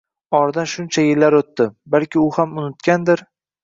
Oradan shuncha yillar o'tdi, balki u ham unutgandir?